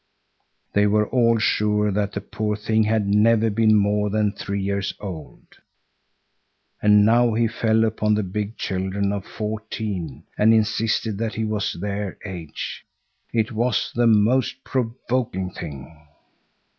They were all sure that the poor thing had never been more than three years old. And now he fell upon the big children of fourteen and insisted that he was their age. It was the most provoking thing.